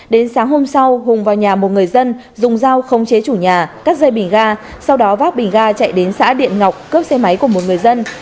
đến sáng hôm sau hùng vào nhà một người dân dùng dao không chế chủ nhà cắt dây bình ga sau đó vác bình ga chạy đến xã điện ngọc cướp xe máy của một người dân